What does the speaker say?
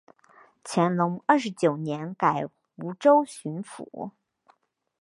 乾隆二十九年改湖北巡抚。